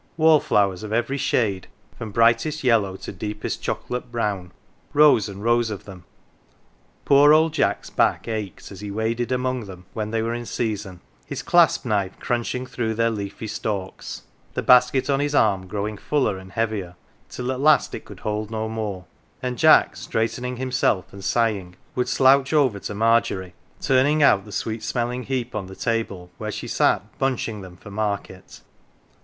Wall flowers of every shade from brightest yellow to deepest choco late brown rows and rows of them. Poor old Jack's back ached as he waded among them when they were in season, his clasp knife crunching through their leafy stalks, the basket on his arm growing fuller and heavier, till at last it could hold no more, and Jack, straighten ing himself and sighing, would slouch over to Margery, turning out the sweet smelling heap on the table where she sat " bunching "" them for market.